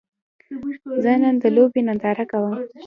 زه نن د لوبې ننداره کوم